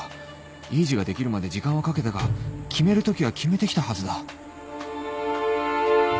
いい字ができるまで時間はかけたが決めるときは決めてきたはずだ